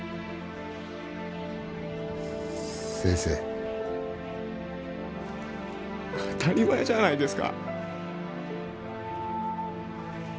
先生当たり前じゃないですか